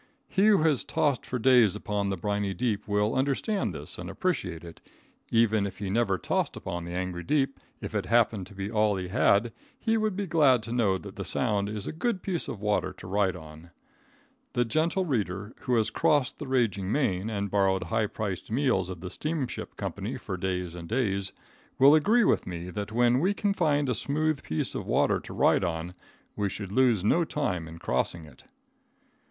He who has tossed for days upon the briny deep, will understand this and appreciate it; even if he never tossed upon the angry deep, if it happened to be all he had, he will be glad to know that the Sound is a good piece of water to ride on. The gentle reader who has crossed the raging main and borrowed high priced meals of the steamship company for days and days, will agree with me that when we can find a smooth piece of water to ride on we should lose no time in crossing it.